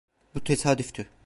Bu tesadüftü…